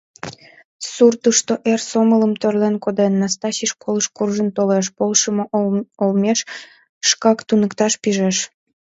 Суртышто эр сомылым тӧрлен коден, Настасий школыш куржын толеш, полшымо олмеш шкак туныкташ пижеш.